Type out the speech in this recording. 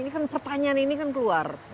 ini kan pertanyaan ini kan keluar